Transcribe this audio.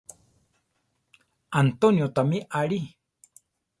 Antonio tamí are.